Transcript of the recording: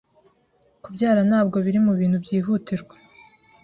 kubyara ntabwo biri mu bintu byihutirwa